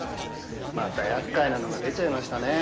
またやっかいなのが出ちゃいましたね。